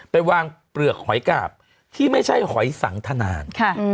ไปวางเปลือกหอยกาบที่ไม่ใช่หอยสังทนาน